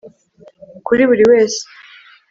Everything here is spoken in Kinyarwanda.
Kuri buri wese